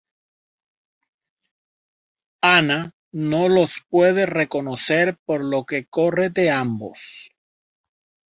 Anna no los pude reconocer por lo que corre de ambos.